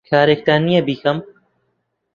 کارێکتان نییە بیکەم؟